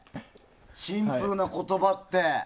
シンプルな言葉って。